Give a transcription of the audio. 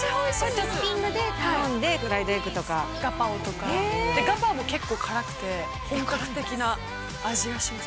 トッピングで頼んでフライドエッグとかガパオとかガパオも結構辛くて本格的な味がします